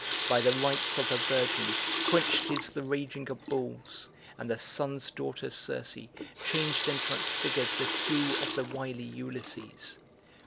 By the rites of a virgin Quenched is the raging of bulls; and the sun's daughter Circe Changed and transfigured the crew of the wily Ulysses.